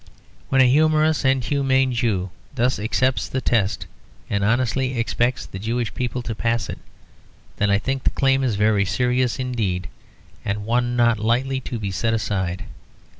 When a humorous and humane Jew thus accepts the test, and honestly expects the Jewish people to pass it, then I think the claim is very serious indeed, and one not lightly to be set aside.